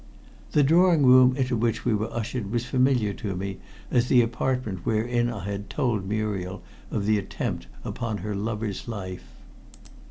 The drawing room into which we were ushered was familiar to me as the apartment wherein I had told Muriel of the attempt upon her lover's life.